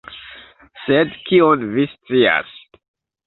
Sed kion vi scias?